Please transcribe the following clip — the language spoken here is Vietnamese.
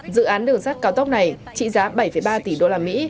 dự án đường sắt cao tốc này trị giá bảy ba tỷ usd